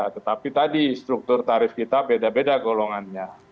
tetapi tadi struktur tarif kita beda beda golongannya